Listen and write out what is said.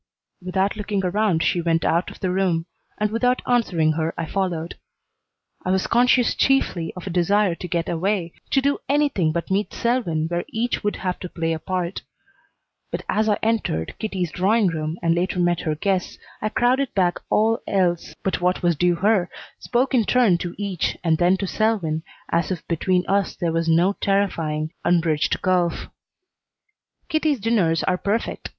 Without looking around she went out of the room, and without answering her I followed. I was conscious chiefly of a desire to get away, to do anything but meet Selwyn where each would have to play a part; but as I entered Kitty's drawing room and later met her guests I crowded back all else but what was due her, spoke in turn to each, and then to Selwyn, as if between us there was no terrifying, unbridged gulf. Kitty's dinners are perfect.